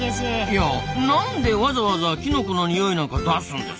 いやなんでわざわざきのこの匂いなんか出すんですか？